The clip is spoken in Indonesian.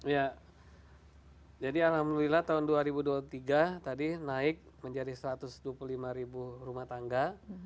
ya jadi alhamdulillah tahun dua ribu dua puluh tiga tadi naik menjadi satu ratus dua puluh lima ribu rumah tangga